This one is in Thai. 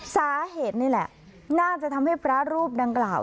สาเหตุนี่แหละน่าจะทำให้พระรูปดังกล่าว